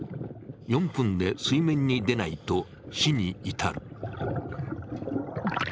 ４分で水面に出ないと死に至る。